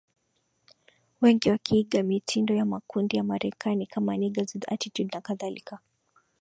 Wengi wakiiga mitindo ya makundi ya Marekani kama Niggers With Attitude na kadhalika